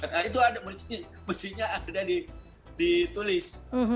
nah itu ada besinya ada ditulis